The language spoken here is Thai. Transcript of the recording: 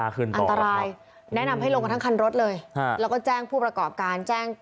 อันตรายแนะนำให้ลงกันทั้งคันรถเลยแล้วก็แจ้งผู้ประกอบการแจ้ง